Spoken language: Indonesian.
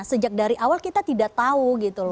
sejak dari awal kita tidak tahu